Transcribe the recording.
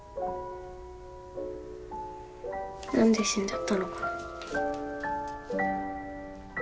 何で死んじゃったのかな？